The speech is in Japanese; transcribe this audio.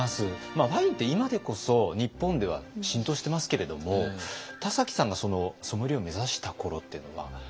ワインって今でこそ日本では浸透してますけれども田崎さんがソムリエを目指した頃っていうのは。